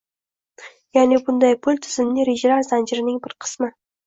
Yaʼni bunday pul tizimli rejalar zanjirining bir qismi.